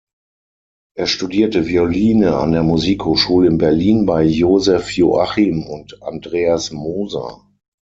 Er studierte Violine an der Musikhochschule in Berlin bei Joseph Joachim und Andreas Moser.